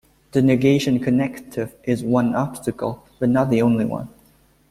The negation connective is one obstacle, but not the only one.